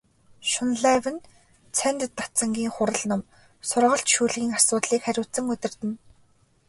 Шунлайв нь цанид дацангийн хурал ном, сургалт шүүлгийн асуудлыг хариуцан удирдана.